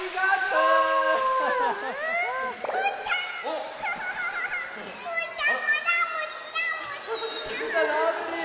うーたんラブリー！